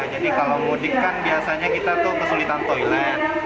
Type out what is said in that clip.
jadi kalau mudik kan biasanya kita tuh kesulitan toilet